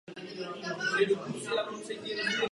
Byl spoluzakladatelem Devětsilu a vydavatelem revue "Pásmo".